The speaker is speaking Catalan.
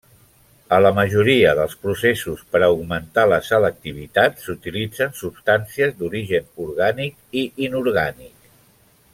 A la majoria dels processos per augmentar la selectivitat, s'utilitzen substàncies d'origen orgànic i inorgànic.